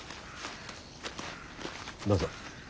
どうぞ。